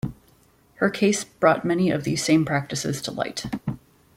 Her case brought many of these same practices to light.